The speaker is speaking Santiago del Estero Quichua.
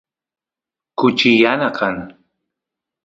kuchi yana kan